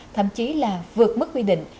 thậm chí là vượt mức quy định